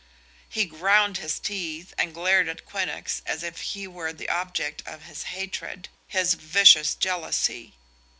He ground his teeth and glared at Quinnox as if he were the object of his hatred, his vicious jealousy.